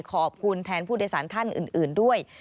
ขอบคุณแทนผู้โดยสารท่านอื่นด้วย